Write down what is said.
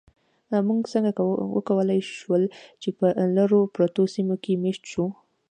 موږ څنګه وکولی شول، چې په لرو پرتو سیمو کې مېشت شو؟